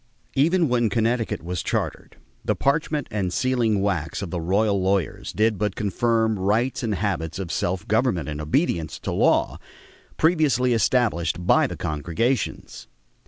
Even when Connecticut was chartered, the parchment and sealing wax of the royal lawyers did but confirm rights and habits of self government and obedience to law previously established by the congregations.